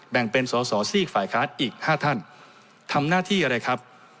แบ่งเป็นสอสอซีกฝ่ายค้านอีก๕ท่านทำหน้าที่อะไรครับ